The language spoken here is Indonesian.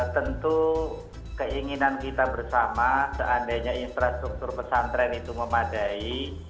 tentu keinginan kita bersama seandainya infrastruktur pesantren itu memadai